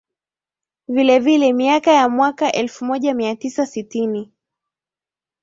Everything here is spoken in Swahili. Vilevile miaka ya mwaka elfumoja miatisa sitini